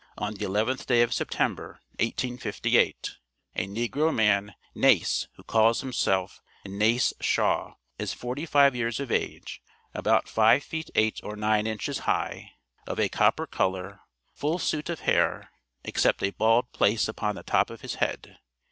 on the 11th day of September, 1858, a negro man, "Nace," who calls himself "Nace Shaw;" is forty five years of age, about five feet 8 or 9 inches high, of a copper color, full suit of hair, except a bald place upon the top of his head.